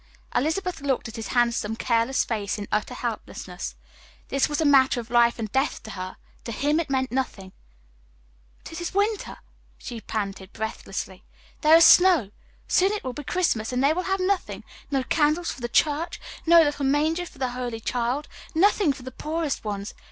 Elizabeth looked at his handsome, careless face in utter helplessness. This was a matter of life and death to her; to him it meant nothing. "But it is winter," she panted, breathlessly; "there is snow. Soon it will be Christmas, and they will have nothing no candles for the church, no little manger for the holy child, nothing for the poorest ones.